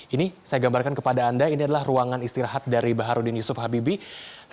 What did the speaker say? ini saya gambarkan kepada anda ini adalah ruangan istirahat dari baharudin yusuf habibie